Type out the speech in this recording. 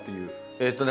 えっと何？